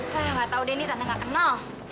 nggak tahu dendy tanda nggak kenal